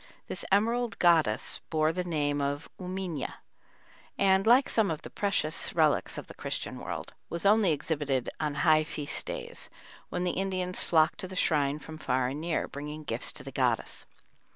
This "emerald goddess" bore the name of Umiña, and, like some of the precious relics of the Christian world, was only exhibited on high feast days, when the Indians flocked to the shrine from far and near, bringing gifts to the goddess.